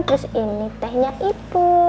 terus ini tehnya ibu